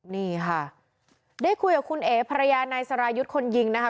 นี่ค่ะได้คุยกับคุณเอ๋ภรรยานายสรายุทธ์คนยิงนะคะ